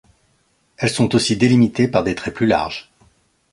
Elles sont aussi délimitées par des traits plus larges.